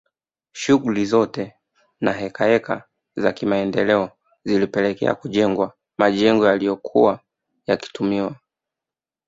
Shughuli zote na hekaheka za kimaendeleo zilipelekea kujengwa majengo yaliyokuwa yakitumiwa